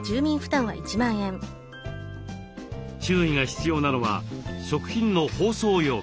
注意が必要なのは食品の包装容器。